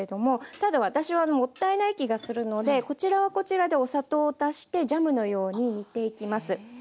ただ私はもったいない気がするのでこちらはこちらでお砂糖を足してジャムのように煮ていきます。